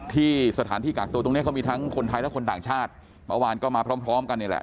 ที่สถานที่กักตัวตรงเนี้ยเขามีทั้งคนไทยและคนต่างชาติเมื่อวานก็มาพร้อมพร้อมกันนี่แหละ